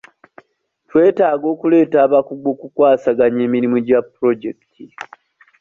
Twetaaga okuleeta abakugu okukwasaganya emirimu gya pulojekiti.